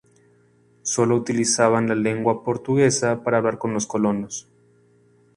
Solo utilizaban la lengua portuguesa para hablar con los colonos.